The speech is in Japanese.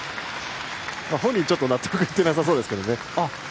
本人、ちょっと納得いってなさそうですけどね。